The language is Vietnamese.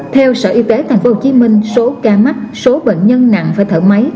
theo sở y tế tp hcm số ca mắc số bệnh nhân nặng phải thở máy